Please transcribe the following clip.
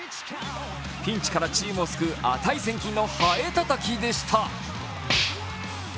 ピンチからチームを救う値千金のハエたたきでした。